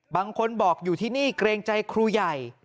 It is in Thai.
บางคนบอกอยู่ที่นี่เกรงใจครูใหญ่